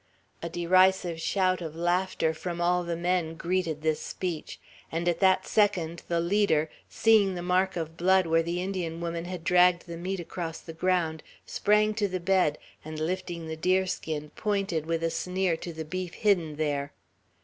A derisive shout of laughter from all the men greeted this speech; and at that second, the leader, seeing the mark of blood where the Indian woman had dragged the meat across the ground, sprang to the bed, and lifting the deerskin, pointed with a sneer to the beef hidden there.